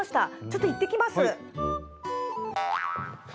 ちょっと行って来ます。